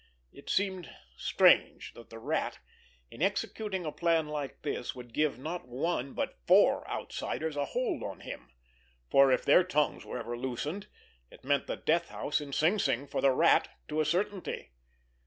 It seemed strange that the Rat, in executing a plan like this, would give, not one, but four outsiders a hold on him, for if their tongues were ever loosened it meant the death house in Sing Sing for the Rat to a certainty.